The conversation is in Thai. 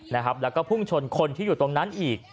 แล้วก็พุ่งชนคนที่อยู่ตรงนั้นอีก